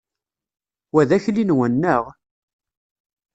Wa d akli-nwen, naɣ?